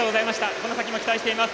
この先も期待しています。